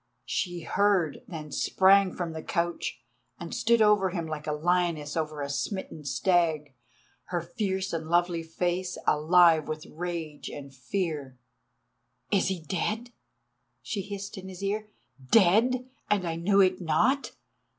She heard, then sprang from the couch and stood over him like a lioness over a smitten stag, her fierce and lovely face alive with rage and fear. "Is he dead?" she hissed in his ear. "Dead! and I knew it not?